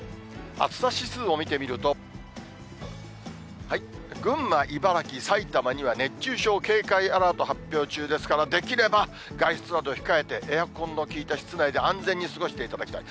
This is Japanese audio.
暑さ指数を見てみると、群馬、茨城、埼玉には熱中症警戒アラート発表中ですから、できれば外出などは控えて、エアコンの効いた室内で安全に過ごしていただきたい。